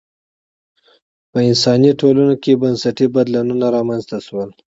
په انسان ټولنو کې بنسټي بدلونونه رامنځته شول